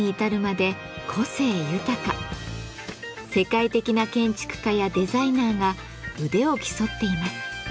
世界的な建築家やデザイナーが腕を競っています。